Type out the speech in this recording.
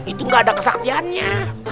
itu gak ada kesaktiannya